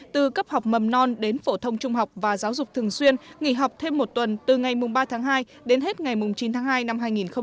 từ cấp học mầm non đến phổ thông trung học và giáo dục thường xuyên nghỉ học thêm một tuần từ ngày ba tháng hai đến hết ngày chín tháng hai năm hai nghìn hai mươi